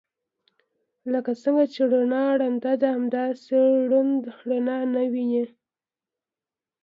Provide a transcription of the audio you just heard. لکه څنګه چې رڼا ړنده ده همداسې ړوند رڼا نه ويني.